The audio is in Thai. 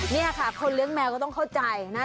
นี่ค่ะคนเลี้ยงแมวก็ต้องเข้าใจนะ